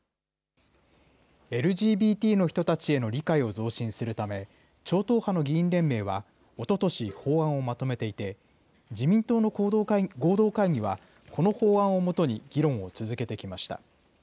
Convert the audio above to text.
ＬＧＢＴの人たちへの理解を増進するため、超党派の議員連盟はおととし、法案をまとめていて、自民党の合同会議は、この法案を元に議論を続けてきました。